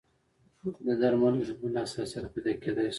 د درملو له امله حساسیت پیدا کېدای شي.